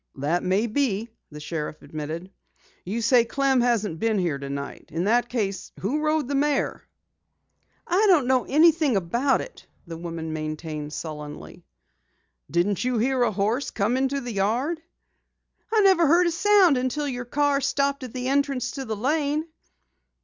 "That may be," the sheriff admitted. "You say Clem hasn't been here tonight. In that case, who rode the mare?" "I don't know anything about it," the woman maintained sullenly. "Didn't you hear a horse come into the yard?" "I never heard a sound until your car stopped at the entrance to the lane."